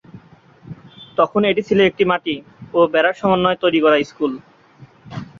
তখন এটি ছিল একটি মাটি ও বেড়ার সমন্বয়ে তৈরি করা একটি স্কুল।